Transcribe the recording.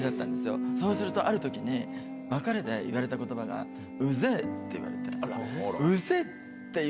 そうするとあるときに別れで言われた言葉が「うぜぇ」って言われて「うぜぇ」って言われて。